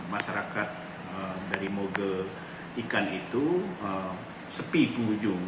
masyarakat dari mogel ikan itu sepi penghujung